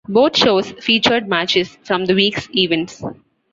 Both shows featured matches from the week's events.